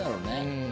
うん。